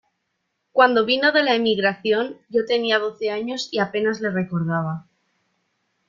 cuando vino de la emigración, yo tenía doce años y apenas le recordaba...